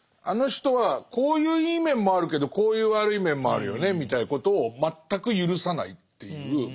あの人はこういういい面もあるけどこういう悪い面もあるよねみたいなことを全く許さないっていう。